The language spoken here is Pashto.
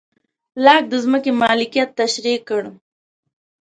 لاک د ځمکې مالکیت تشرېح کړ.